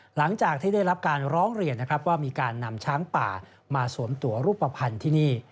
หลังจากที่ได้รับการร้องเรียนนะครับว่ามีการนำช้างป่ามาสวมตัวรูปภัณฑ์ที่นี่